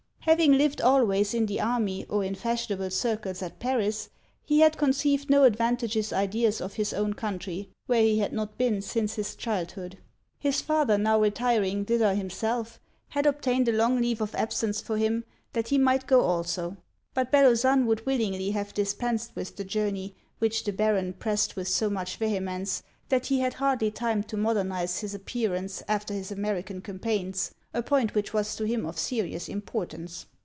Having lived always in the army or in fashionable circles at Paris, he had conceived no advantageous ideas of his own country, where he had not been since his childhood. His father now retiring thither himself, had obtained a long leave of absence for him that he might go also; but Bellozane would willingly have dispensed with the journey, which the Baron pressed with so much vehemence, that he had hardly time to modernize his appearance after his American campaigns; a point which was to him of serious importance.